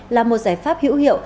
là một giải pháp hữu hiệu